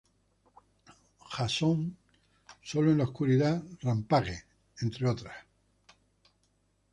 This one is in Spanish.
Jason, Alone in the Dark, Rampage, entre otras.